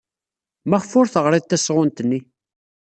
Maɣef ur teɣrid tasɣunt-nni?